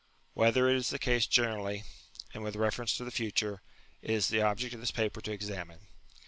Whether it is the case generally, and with reference to the future, it is the object of this paper to examine.